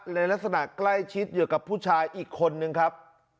ในลักษณะใกล้ชิดอยู่กับผู้ชายอีกคนนึงครับ